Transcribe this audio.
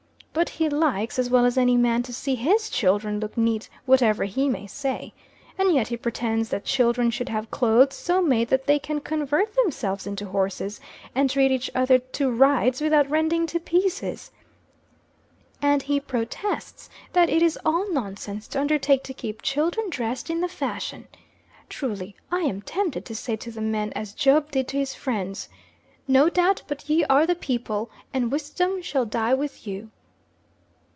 But he likes, as well as any man, to see his children look neat, whatever he may say. And yet he pretends that children should have clothes so made that they can convert themselves into horses, and treat each other to rides without rending to pieces! And he protests that it is all nonsense to undertake to keep children dressed in the fashion! Truly I am tempted to say to the men as Job did to his friends: "No doubt but ye are the people, and wisdom shall die with you!"